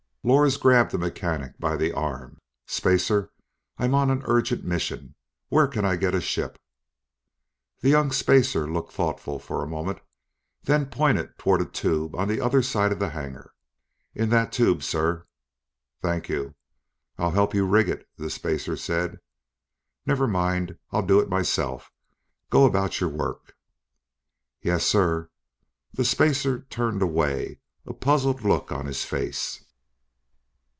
Lors grabbed a mechanic by the arm. "Spacer! I'm on an urgent mission. Where can I get a ship?" The young spacer looked thoughtful for a moment, then pointed toward a tube on the other side of the hangar. "In that tube, sir." "Thank you." "I'll help you rig it," the spacer said. "Never mind, I'll do it myself. Go about your work." "Yes, sir." The spacer turned away, a puzzled look on his face.